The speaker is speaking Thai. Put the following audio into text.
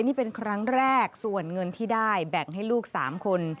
นี่เป็นครั้งแรกส่วนเงินที่ได้แบ่งให้ลูก๓คน